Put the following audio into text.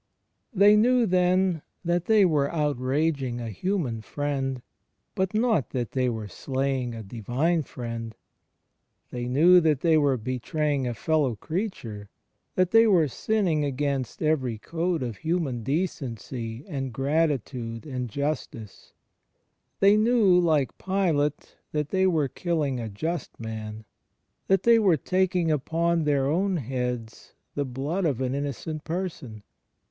They knew, then, that they were outraging a human friend, but not that they were slaying a Divine Friend. They knew that they were betraying a fellow creature, that they were sinning against every code of human decency and gratitude and justice; they knew, like Pilate, that they were killing a just man, that they were 9 114 THE FRIENDSHIP OF CHRIST taking upon their own heaxls the blood of an innocent person.